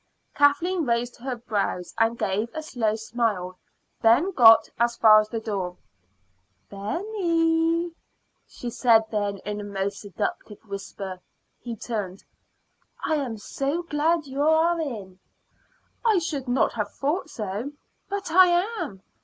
Kathleen raised her brows and gave a slow smile. Ben got as far as the door. "Benny," she said then in a most seductive whisper. He turned. "I am so glad you are in." "I should not have thought so." "But I am.